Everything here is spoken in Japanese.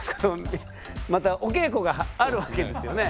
またお稽古があるわけですよね。